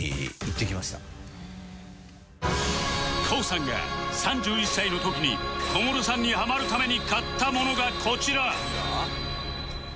ＫＯＯ さんが３１歳の時に小室さんにハマるために買ったものがこちら！